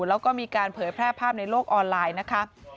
แล้วก็มีการเผยแพร่ภาพในโลกออนไลน์นะคะ